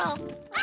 あ！